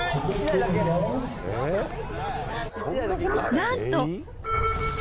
なんと。